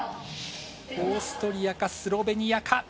オーストリアかスロベニアか。